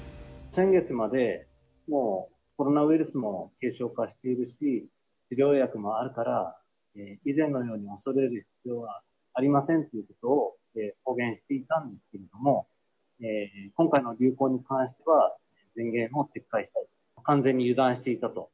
先月まで、もうコロナウイルスも軽症化しているし、治療薬もあるから、以前のように恐れる必要はありませんということを公言していたんですけれども、今回の流行に関しては前言を撤回したい。